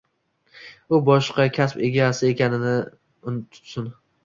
U boshqa kasb etagini tutsin.